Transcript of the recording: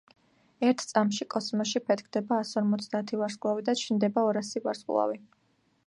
ერთ წამში კოსმოსში ფეთქდება ასორმოცდაათი ვარსკვლავი და ჩნდება ორასი ვარსკვლავი.